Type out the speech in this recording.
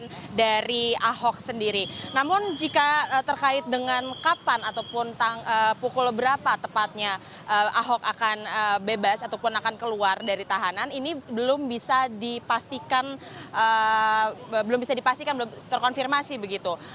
keterangan dari ahok sendiri namun jika terkait dengan kapan ataupun pukul berapa tepatnya ahok akan bebas ataupun akan keluar dari tahanan ini belum bisa dipastikan belum bisa dipastikan belum terkonfirmasi begitu